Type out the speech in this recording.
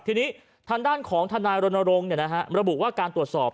ทีนี้ทางด้านของทนายรณรงค์ระบุว่าการตรวจสอบ